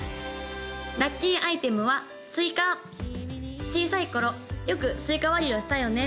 ・ラッキーアイテムはスイカ小さい頃よくスイカ割りをしたよね